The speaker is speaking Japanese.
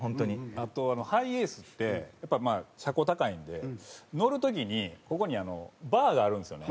あとハイエースって車高高いんで乗る時にここにバーがあるんですよね。